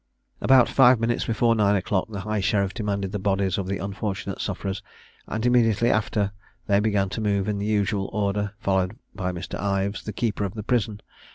About five minutes before nine o'clock the high sheriff demanded the bodies of the unfortunate sufferers; and immediately after, they began to move in the usual order, followed by Mr. Ives, the keeper of the prison.